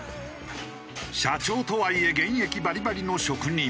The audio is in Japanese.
社長とはいえ現役バリバリの職人。